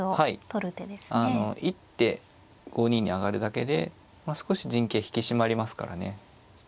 一手５二に上がるだけで少し陣形引き締まりますからね。